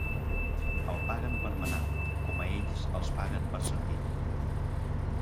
El paguen per manar, com a ells els paguen per servir.